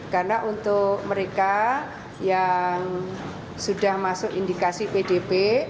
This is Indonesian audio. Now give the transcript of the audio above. karena untuk mereka yang sudah masuk indikasi pdb